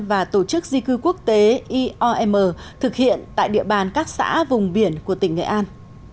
và tổ chức di cư quốc tế iom thực hiện tại địa bàn các xã vùng biển của tỉnh nghệ an